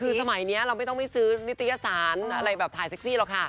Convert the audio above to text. คือสมัยนี้เราไม่ต้องไม่ซื้อนิตยสารอะไรแบบถ่ายเซ็กซี่หรอกค่ะ